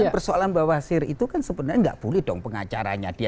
persoalan bawasir itu kan sebenarnya tidak boleh dong pengacaranya